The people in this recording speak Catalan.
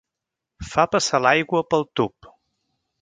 Fa passar l'aigua pel tub.